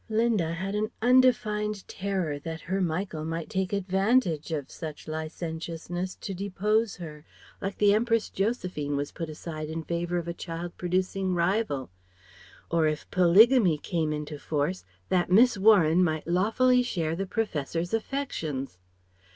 Linda had an undefined terror that her Michael might take advantage of such licentiousness to depose her, like the Empress Josephine was put aside in favour of a child producing rival; or if polygamy came into force, that Miss Warren might lawfully share the Professor's affections.